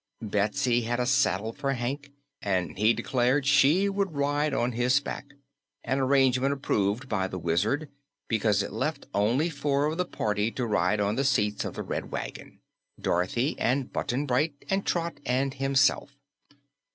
Betsy had a saddle for Hank, and he declared she would ride on his back, an arrangement approved by the Wizard because it left only four of the party to ride on the seats of the Red Wagon Dorothy and Button Bright and Trot and himself.